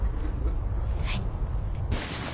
はい。